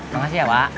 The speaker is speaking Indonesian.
terima kasih ya wak